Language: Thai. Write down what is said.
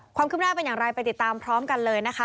ความคืบหน้าเป็นอย่างไรไปติดตามพร้อมกันเลยนะคะ